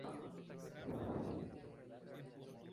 En las piernas puede variar el color el tamaño y el diseño.